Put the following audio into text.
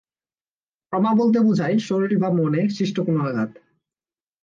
Trauma বলতে বোঝায়, শরীরে বা মনে সৃষ্ট কোন আঘাত।